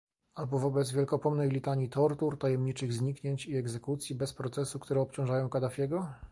Albo wobec wiekopomnej litanii tortur, tajemniczych zniknięć i egzekucji bez procesu, które obciążają Kaddafiego?